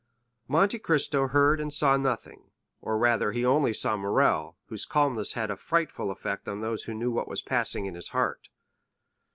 Monte Cristo heard and saw nothing, or rather he only saw Morrel, whose calmness had a frightful effect on those who knew what was passing in his heart.